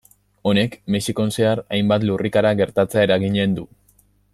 Honek Mexikon zehar hainbat lurrikara gertatzea eraginen du.